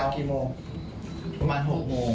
ก็มาหกโมง